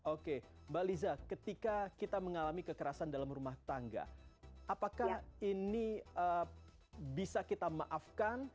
oke mbak liza ketika kita mengalami kekerasan dalam rumah tangga apakah ini bisa kita maafkan